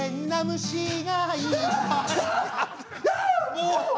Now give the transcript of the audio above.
もう！